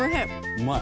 うまい。